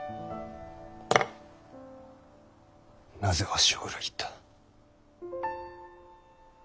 なぜわしを裏切った。